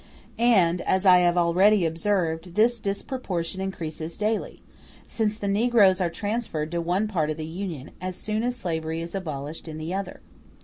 And, as I have already observed, this disproportion increases daily, since the negroes are transferred to one part of the Union as soon as slavery is abolished in the other.